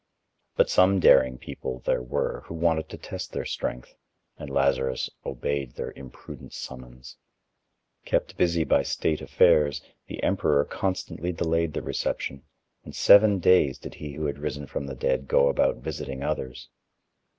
But some daring people there were, who wanted to test their strength, and Lazarus obeyed their imprudent summons. Kept busy by state affairs, the emperor constantly delayed the reception, and seven days did he who had risen from the dead go about visiting others.